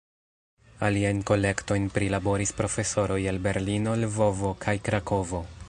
Aliajn kolektojn prilaboris profesoroj el Berlino, Lvovo kaj Krakovo.